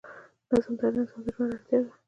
نظم د هر انسان د ژوند اړتیا ده.